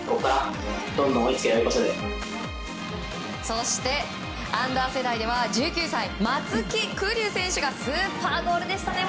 そしてアンダー世代では１９歳、松木久利生選手がスーパーゴールでしたね。